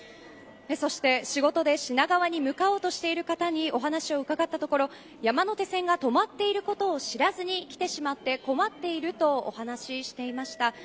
そして、仕事で品川に向かおうとしている方にお話を伺ったところ山手線が止まっていることを知らずに来てしまって困っているとお話していました。